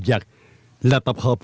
giặc là tập hợp